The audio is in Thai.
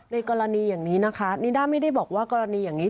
กรณีอย่างนี้นะคะนิด้าไม่ได้บอกว่ากรณีอย่างนี้